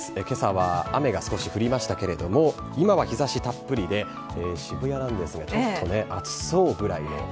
けさは雨が少し降りましたけれども、今は日ざしたっぷりで、渋谷なんですが、ちょっとね、暑そうぐらいの。